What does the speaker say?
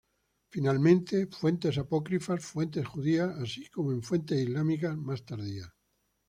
Finalmente, fuentes apócrifas, fuentes judías así como en fuentes islámicas más tardías.